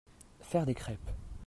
Faire des crèpes.